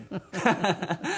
ハハハハ！